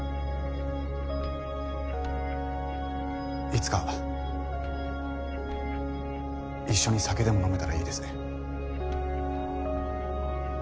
いつか一緒に酒でも飲めたらいいですね。